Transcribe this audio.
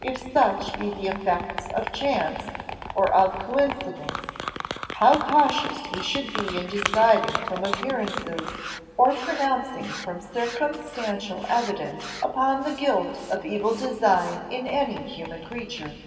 If such be the effects of chance, or of coincidence, how cautious we should be in deciding from appearances, or pronouncing from circumstantial evidence upon the guilt of evil design in any human creature."